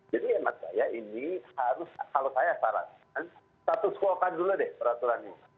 jadi ya maksud saya ini harus kalau saya sarankan status quo kan dulu deh peraturan ini